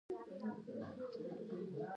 د سرو زرو او اوسپنې ترمنځ په کیمیا کې څه فرق دی